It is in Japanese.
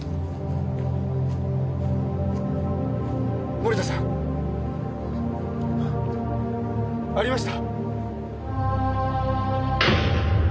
森田さん。ありました！